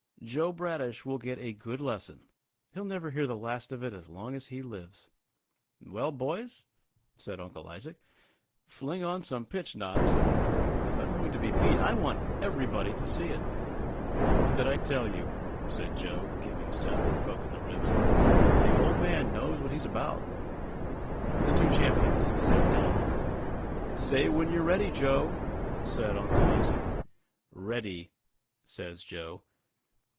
Joe Bradish will get a good lesson; he'll never hear the last of it as long as he lives." "Well, boys," said Uncle Isaac, "fling on some pitch knots; if I am going to be beat, I want everybody to see it." "What did I tell you?" said Joe, giving Seth a poke in the ribs; "the old man knows what he's about." The two champions sat down. "Say when you're ready, Joe," said Uncle Isaac. "Ready," says Joe.